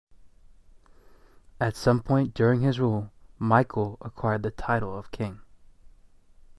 At some point during his rule, Michael acquired the title of King.